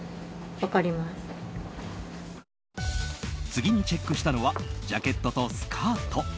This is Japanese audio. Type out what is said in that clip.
次にチェックしたのはジャケットとスカート。